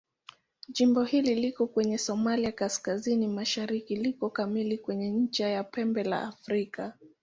Jimbo hili liko kwenye Somalia kaskazini-mashariki liko kamili kwenye ncha ya Pembe la Afrika.